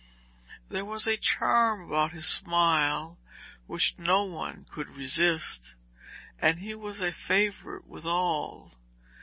There was a charm about his smile which no one could resist, and he was a favourite with all.